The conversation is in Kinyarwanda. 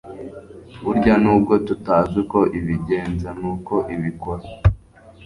Burya nubwo tutazi uko ibigenza nuko ibikora